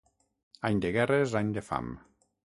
Any de guerres, any de fam.